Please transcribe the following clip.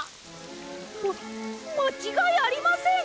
ままちがいありません。